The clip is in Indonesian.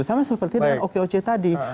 sama seperti dengan okoc tadi